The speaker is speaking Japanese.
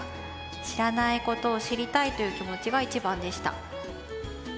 知らないことを知りたいという気持ちが一番でした。